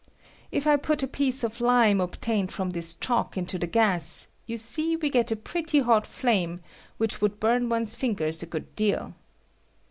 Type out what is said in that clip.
If I put a piece of lime obtained from this chalk into the gas, you see "we get a pretty hot flame, which would bum one's fingers a good deal.